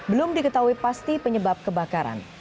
belum diketahui pasti penyebab kebakaran